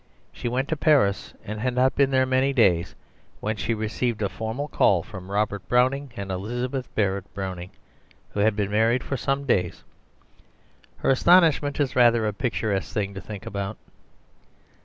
She went to Paris, and had not been there many days, when she received a formal call from Robert Browning and Elizabeth Barrett Browning, who had been married for some days. Her astonishment is rather a picturesque thing to think about.